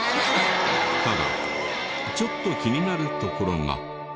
ただちょっと気になるところが。